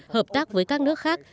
hợp tác với các nước khác